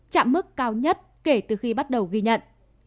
chạm mức cao nhất kể từ khi bắt đầu ghi nhận